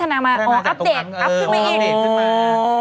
อัพด้วยมาอีก